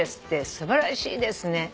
素晴らしいですね。